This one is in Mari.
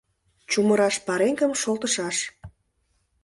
Чумыраш пареҥгым шолтышаш.